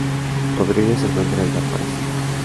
Rodríguez se encuentra desaparecido.